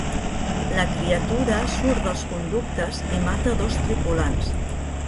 La criatura surt dels conductes i mata dos tripulants.